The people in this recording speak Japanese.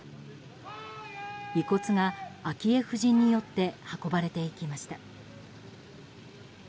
遺骨が、昭恵夫人によって運ばれて行きました。